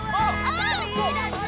ああ！